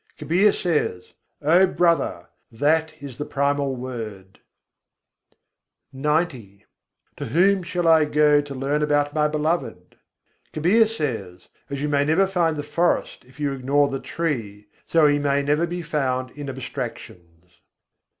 Kabîr says: "O brother! that is the Primal Word." XC I. 108. main kâ se bûjhaun To whom shall I go to learn about my Beloved? Kabîr says: "As you never may find the forest if you ignore the tree, so He may never be found in abstractions."